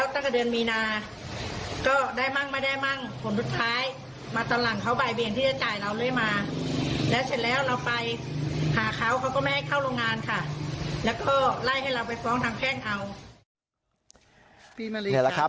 พี่นาลีครับ